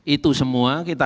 itu semua kita